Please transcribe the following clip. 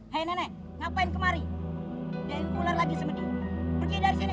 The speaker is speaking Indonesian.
nenek ngapain kemari dari ular lagi semedi pergi dari sini